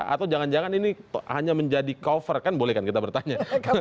atau jangan jangan ini hanya menjadi cover kan boleh kan kita bertanya